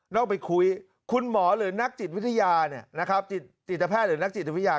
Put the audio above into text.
อกไปคุยคุณหมอหรือนักจิตวิทยาจิตแพทย์หรือนักจิตวิทยา